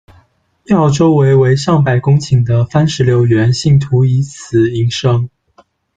庙周围为上百公顷的番石榴园，信徒以此营生。